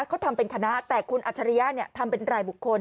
เขาทำเป็นคณะแต่คุณอัจฉริยะทำเป็นรายบุคคล